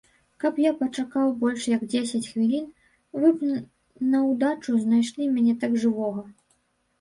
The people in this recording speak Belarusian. Каб я пачакаў больш як дзесяць хвілін, вы б наўдачу знайшлі мяне тут жывога.